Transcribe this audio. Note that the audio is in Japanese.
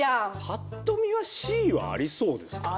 パっと見はＣはありそうですけどね。